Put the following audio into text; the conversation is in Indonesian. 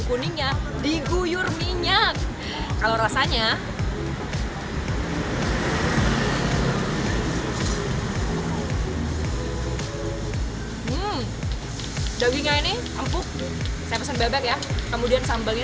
kuningnya diguyur minyak kalau rasanya dagingnya ini empuk saya pesen bebek ya kemudian sambalnya